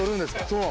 そう。